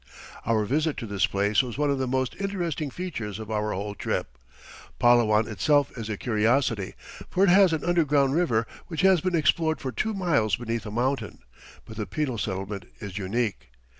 Our visit to this place was one of the most interesting features of our whole trip. Palawan itself is a curiosity, for it has an underground river which has been explored for two miles beneath a mountain. But the penal settlement is unique.